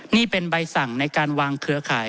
นี่เป็นใบสั่งในการวางเครือข่าย